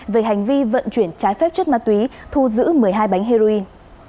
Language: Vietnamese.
về hành vi vận chuyển trái phép chất ma túy thu giữ một mươi hai bánh heroin